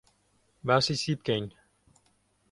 باسی چی بکەین؟